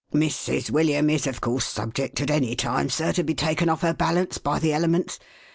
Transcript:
" Mrs. AVilliam is of course subject at any time, sir, to be taken oft' her balance by the elements.